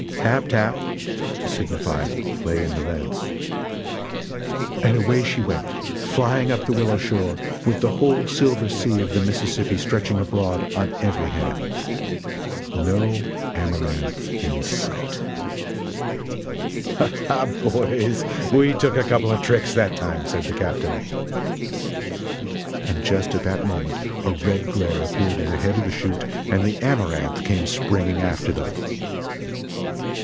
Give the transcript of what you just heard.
tap! tap!" (to signify "Lay in the leads") And away she went, flying up the willow shore, with the whole silver sea of the Mississippi stretching abroad on every hand. No Amaranth in sight! "Ha ha, boys, we took a couple of tricks that time!" said the captain. And just at that moment a red glare appeared in the head of the chute and the Amaranth came springing after them!